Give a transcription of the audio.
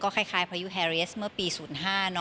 คล้ายพายุแฮเรียสเมื่อปี๐๕